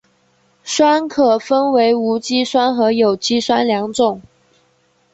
酸可分为无机酸和有机酸两种。